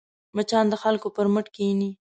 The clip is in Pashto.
مچان د خلکو پر مټ کښېني